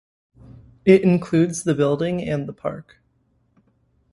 It includes the building and the park.